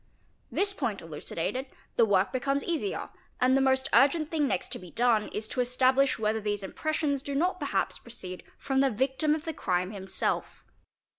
This point elucidated, the work becomes easier, and the most urgent thing next to be done is to establish whether these inypressions do not perhaps proceed from the victim of the crime himself.